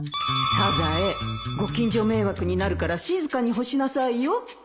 サザエご近所迷惑になるから静かに干しなさいよ